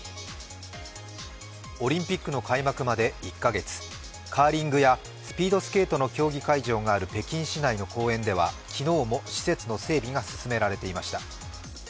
オリンピックの開幕で１カ月カーリングやスピードスケートの競技会場がある北京市内の公園では昨日も施設の整備が進められていました。